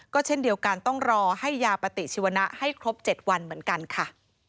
ก็เช่นเดียวกันต้องรอให้ยาปฏิชีวนะให้ครบ๗วันเหมือนกันค่ะ